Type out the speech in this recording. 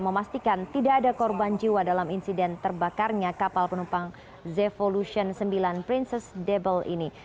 memastikan tidak ada korban jiwa dalam insiden terbakarnya kapal penumpang zevolution sembilan princess debel ini